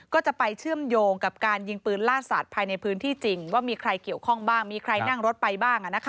ก็จะไปเชื่อมโยงกับการยิงปืนล่าสัตว์ภายในพื้นที่จริงว่ามีใครเกี่ยวข้องบ้างมีใครนั่งรถไปบ้าง